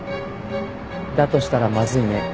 だとしたらまずいね。